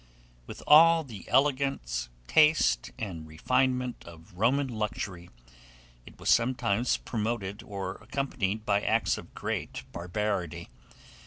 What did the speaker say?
With all the elegance, taste, and refinement of Roman luxury, it was sometimes promoted or accompanied by acts of great barbarity.